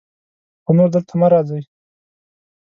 خو نور دلته مه راځئ.